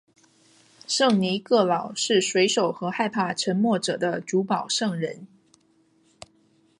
圣尼各老是水手和害怕沉没者的主保圣人。